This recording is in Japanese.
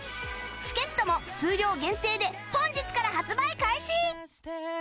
チケットも数量限定で本日から発売開始！